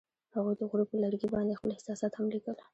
هغوی د غروب پر لرګي باندې خپل احساسات هم لیکل.